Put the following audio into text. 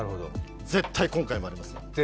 絶対今回もありますよ。